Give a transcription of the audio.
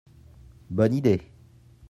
Bonne idée.